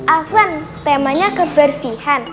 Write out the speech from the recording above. afon temanya kebersihan